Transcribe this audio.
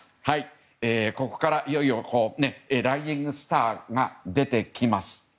ここからいよいよライジングスターが出てきます。